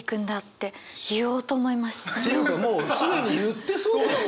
ていうかもう既に言ってそうだよ。